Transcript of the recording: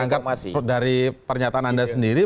dengan berangkat dari pernyataan anda sendiri